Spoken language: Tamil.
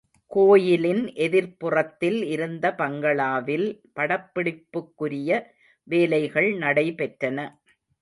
கோயிலின் எதிர்ப்புறத்தில் இருந்த பங்களாவில் படப்பிடிப்புக்குரிய வேலைகள் நடைபெற்றன.